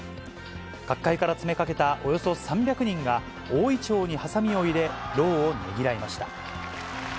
各界から詰めかけたおよそ３００人が、大いちょうにはさみを入れ、労をねぎらいました。